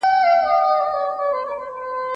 هغه مهال ازاده مطالعه يو خوب و.